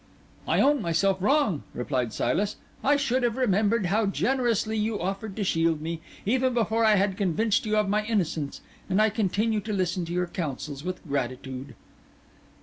"I own myself wrong," replied Silas. "I should have remembered how generously you offered to shield me, even before I had convinced you of my innocence, and I continue to listen to your counsels with gratitude."